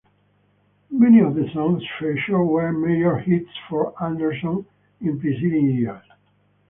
Many of the songs featured were major hits for Anderson in preceding years.